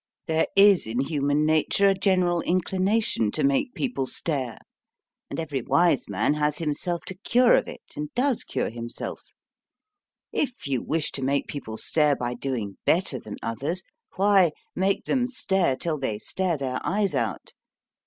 There is in human nature a general inclination to make people stare; and every wise man has himself to cure of it, and does cure himself. If you wish to make people stare by doing better than others, why, make them stare till they stare their eyes out.